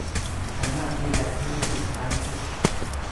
หันมาดูแลธุรกิจร้านเพชร